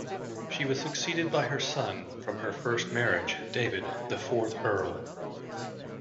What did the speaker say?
She was succeeded by her son from her first marriage, David, the fourth Earl.